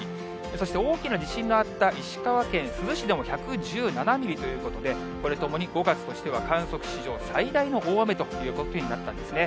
そして大きな地震のあった石川県珠洲市でも１１７ミリということで、これともに５月としては、観測史上最大の大雨ということになったんですね。